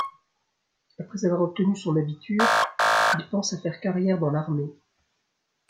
Après avoir obtenu son abitur, il pense à faire carrière dans l'armée.